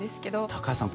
高橋さん